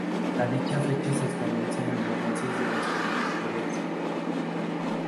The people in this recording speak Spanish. Dicha fecha se establece en las bases de las convocatorias.